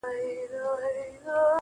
د زړه كاڼى مــي پــر لاره دى لــوېـدلى.